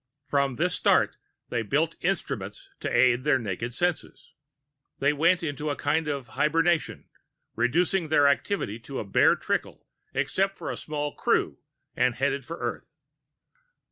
From this start, they built instruments to aid their naked senses. They went into a kind of hibernation, reducing their activity to a bare trickle except for a small "crew" and headed for Earth.